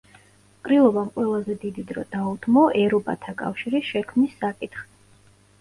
ყრილობამ ყველაზე დიდი დრო დაუთმო ერობათა კავშირის შექმნის საკითხს.